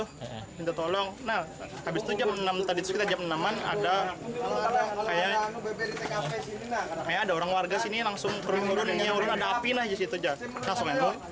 habis itu jam enam tadi itu kita jam enam an ada kayak ada orang warga sini langsung turun turun ini turun ada api nah disitu